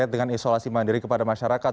dengan isolasi mandiri kepada masyarakat